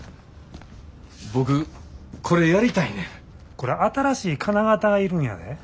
これ新しい金型が要るんやで。